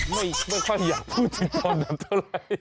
ไม่ค่อยอยากพูดถึงตอนนั้นเท่าไหร่